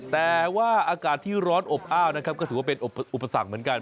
แต่ว่าอากาศที่ร้อนอบอ้าวนะครับก็ถือว่าเป็นอุปสรรคเหมือนกัน